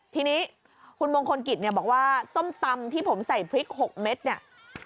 ทีนี้คุณบองคนกริตบอกว่าส้มตำที่ผมใส่พริก๖เม็ดนี่